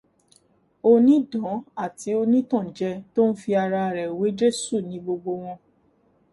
Onídán àti onítànjẹ tó ń fi ara rẹ̀ wé Jesu ní gbogbo wọn.